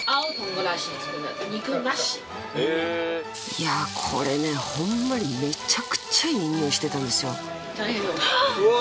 いやこれねホンマにめちゃくちゃいい匂いしてたんですようわ！